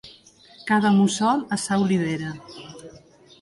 Cada mussol a sa olivera.